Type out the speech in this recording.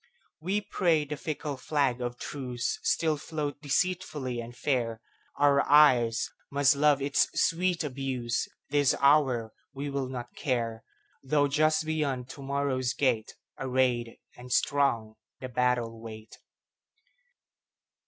We pray the fickle flag of truceStill float deceitfully and fair; Our eyes must love its sweet abuse; This hour we will not care, Though just beyond to morrow's gate, Arrayed and strong, the battle wait.